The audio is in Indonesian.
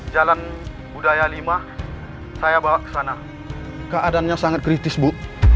jalan budaya lima saya bawa ke sana keadaannya sangat kritis bu